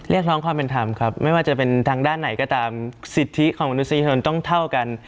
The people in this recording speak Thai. เรียกร้องความเป็นธรรมครับไม่ว่าจะเป็นทางด้านไหนก็ตามสิทธิของมนุษยชนต้องเท่ากัน